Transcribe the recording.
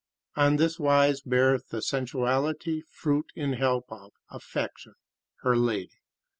On this wise beareth the sensuality fruit in help of affection, her lady.